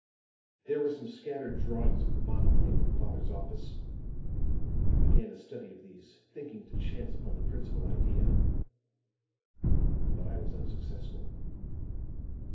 "There were some scattered drawings of the monoplane in father's office; I began a study of these, thinking to chance upon the principal idea. But I was unsuccessful.